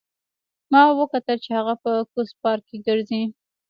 ما وکتل چې هغه په کوز پارک کې ګرځي